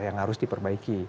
yang harus diperbaiki